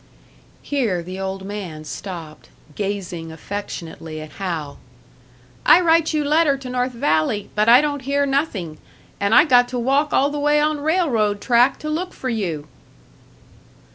Here the old man stopped, gazing affectionately at Hal. "I write you letter to North Valley, but I don't hear nothing, and I got to walk all the way on railroad track to look for you."